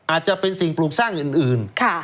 อาจจะเป็นสิ่งปลูกสร้างอื่น